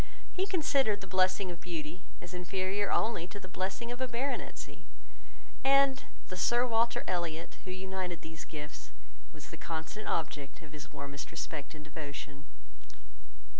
He considered the blessing of beauty as inferior only to the blessing of a baronetcy; and the Sir Walter Elliot, who united these gifts, was the constant object of his warmest respect and devotion.